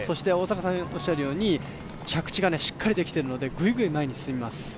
大迫さんおっしゃるように着地がしっかりできているのでグイグイ前に進みます。